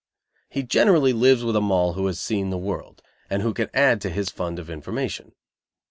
He generally lives with a Moll who has seen the world, and who can add to his fund of information.